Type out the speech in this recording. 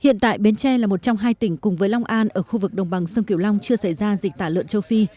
hiện tại bến tre là một trong hai tỉnh cùng với long an ở khu vực đồng bằng sông kiểu long chưa xảy ra dịch tả lợn châu phi